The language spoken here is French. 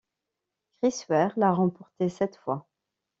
Chris Ware l'a remporté sept fois.